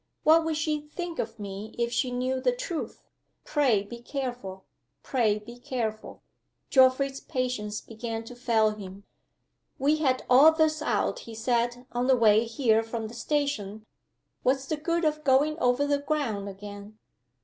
What would she think of me, if she knew the truth? Pray be careful! pray be careful!" Geoffrey's patience began to fail him. "We had all this out," he said, "on the way here from the station. What's the good of going over the ground again?"